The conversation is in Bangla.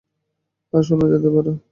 হ্যাঁ, শোনা যেতে পারে।